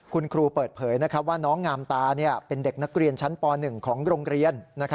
คุณครูเปิดเผยว่าน้องงามตาเป็นเด็กนักเรียนชั้นป๑ของโรงเรียน